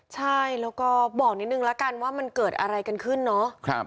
ใช่แล้วก็บอกนิดนึงแล้วกันว่ามันเกิดอะไรกันขึ้นเนาะ